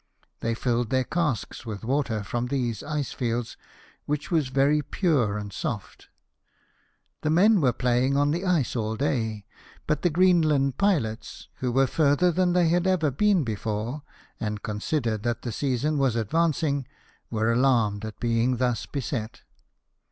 They filled their casks with water from these ice fields, which was very pure and soft. The men were playing on the ice all day, but the Green land pilots, who were farther than they had ever been before, and considered that the season was advancing, were alarmed at being thus beset.